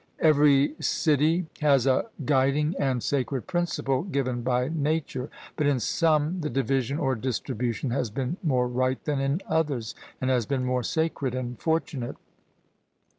Every city has a guiding and sacred principle given by nature, but in some the division or distribution has been more right than in others, and has been more sacred and fortunate.